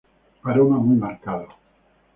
Aroma muy marcado.